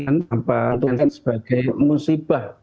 tanpachief sebagai musibah